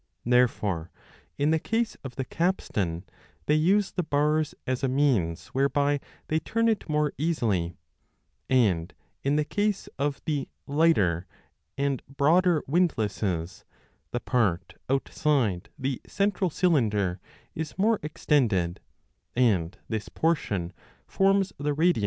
Therefore in the case of the capstan they use the bars as a means whereby they turn it more easily ; and in the case of the lighter 5 windlasses the part outside the central cylinder is more extended, and this portion forms the 20 radius of the circle.